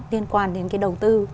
liên quan đến cái đầu tư